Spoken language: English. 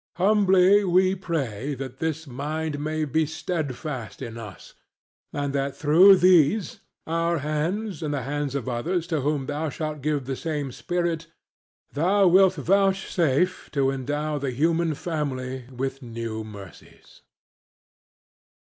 Humbly we pray that this mind may be steadfast in us, and that through these our hands, and the hands of others to whom thou shalt give the same spirit, thou wilt vouchsafe to endow the human family with new mercies.